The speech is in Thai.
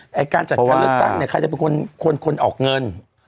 การจัดการเลือกตั้งเนี่ยใครจะเป็นคนออกเงิน